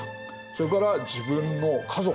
それから自分の家族